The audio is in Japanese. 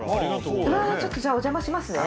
あぁちょっとじゃあおじゃましますね。